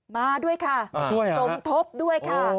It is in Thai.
มาด้วยค่ะส่งทบด้วยค่ะ